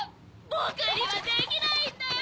ぼくにはできないんだよ！